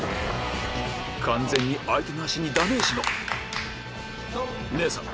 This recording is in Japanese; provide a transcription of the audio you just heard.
完全に相手の足にダメージが姉さん